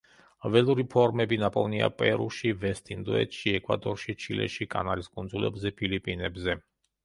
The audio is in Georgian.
ველური ფორმები ნაპოვნია პერუში, ვესტ-ინდოეთში, ეკვადორში, ჩილეში, კანარის კუნძულებზე, ფილიპინებზე.